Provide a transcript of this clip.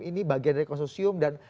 ini bagian dari konsorsium dan